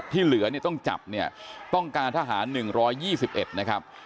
ที่เหลือต้องจับต้องการทหาร๑๒๑นะครับ